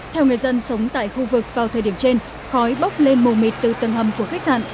theo người dân sống tại khu vực vào thời điểm trên khói bốc lên mù mịt từ tầng hầm của khách sạn